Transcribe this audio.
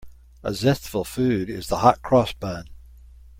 A zestful food is the hot-cross bun.